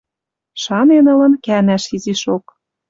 Шанен ылын кӓнӓш изишок.